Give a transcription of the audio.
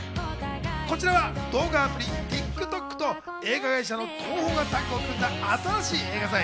こちらは動画アプリＴｉｋＴｏｋと映画会社の東宝がタッグを組んだ新しい映画祭。